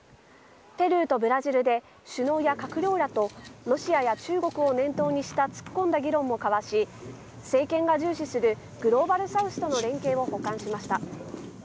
ペルーとブラジルで首脳や閣僚らとロシアや中国を念頭にした突っ込んだ議論を交わし政権が重視するグローバル・サウスとの連携を補完しました。